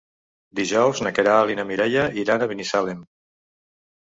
Dijous na Queralt i na Mireia iran a Binissalem.